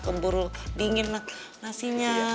keburu dingin nasinya